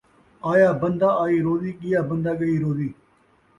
آیا بندہ آئی روزی، ڳیا بندہ ڳئی روزی